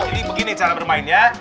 ini begini cara bermainnya